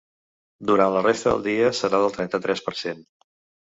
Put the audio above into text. Durant la resta del dia serà del trenta-tres per cent.